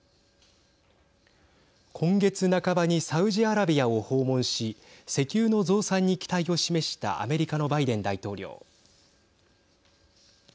今月半ばにサウジアラビアを訪問し石油の増産に期待を示したアメリカのバイデン大統領。